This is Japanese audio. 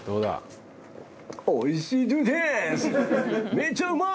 めちゃうまい！